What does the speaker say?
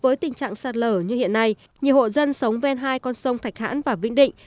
với tình trạng sạt lở như hiện nay nhiều hộ dân sống ven hai con sông thạch hãn và vĩnh định